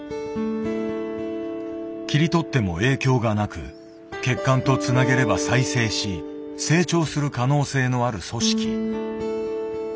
切り取っても影響がなく血管とつなげれば再生し成長する可能性のある組織。